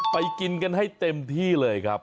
กินกันให้เต็มที่เลยครับ